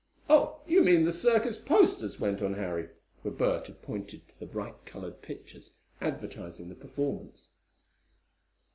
"Oh, you mean the circus posters," went on Harry, for Bert had pointed to the bright colored pictures advertising the performance.